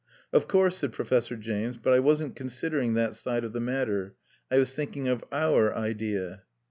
"Of course," said Professor James, "but I wasn't considering that side of the matter; I was thinking of our idea."